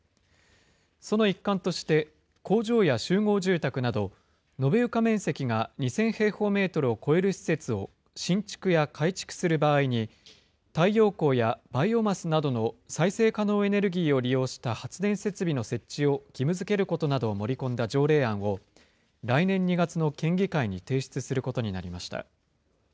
その一環として、工場や集合住宅など、延べ床面積が２０００平方メートルを超える施設を新築や改築する場合に、太陽光やバイオマスなどの再生可能エネルギーを利用した発電設備の設置を義務づけることなどを盛り込んだ条例案を、来年２月の県議会に提出することになりました。